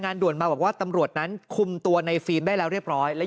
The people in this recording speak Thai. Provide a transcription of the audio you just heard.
ด่วนมาบอกว่าตำรวจนั้นคุมตัวในฟิล์มได้แล้วเรียบร้อย